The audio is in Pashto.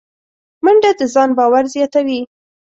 منډه د ځان باور زیاتوي